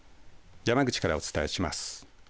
山口からお伝えします。